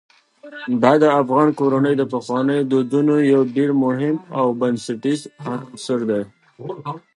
دا د افغان کورنیو د پخوانیو دودونو یو ډېر مهم او بنسټیز عنصر دی.